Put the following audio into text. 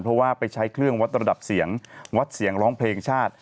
เพราะว่าไปใช้เครื่องวัดระดับเสียงวัดเสียงร้องเพลงชาติ